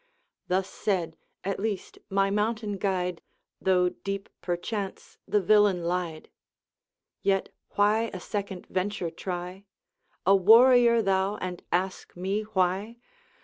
Thus said, at least, my mountain guide, Though deep perchance the villain lied.' 'Yet why a second venture try?' 'A warrior thou, and ask me why!